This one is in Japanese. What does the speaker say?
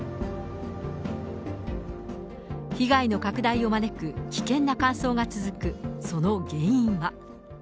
被害の拡大を招く危険な乾燥が続く、その原因は。